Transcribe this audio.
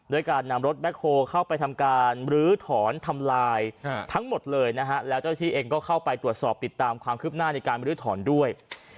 ด้วยการนำรถแคลเข้าไปทำการรื้อถอนทำลายทั้งหมดเลยนะฮะแล้วเจ้าที่เองก็เข้าไปตรวจสอบติดตามความคืบหน้าในการบรื้อถอนด้วย